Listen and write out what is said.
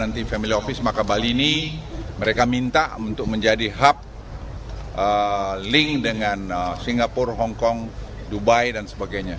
nanti family office maka bali ini mereka minta untuk menjadi hub link dengan singapura hongkong dubai dan sebagainya